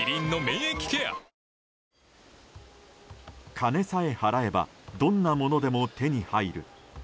金さえ払えばどんなものでも手に入る。